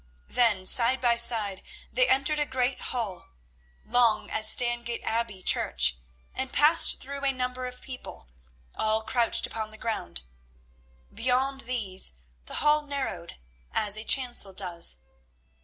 Then, side by side, they entered a great hall, long as Stangate Abbey church, and passed through a number of people, all crouched upon the ground. Beyond these the hall narrowed as a chancel does.